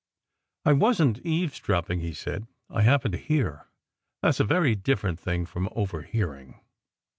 "I wasn t eavesdropping," he said. "I happened to hear. That s a very different thing from overhearing.